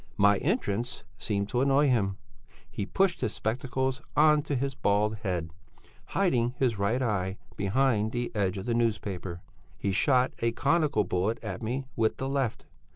"My entrance seemed to annoy him; he pushed his spectacles on to his bald head; hiding his right eye behind the edge of the newspaper, he shot a conical bullet at me with the left.